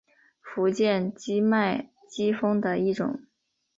福建畸脉姬蜂的一种。